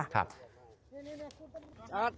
จัดจัด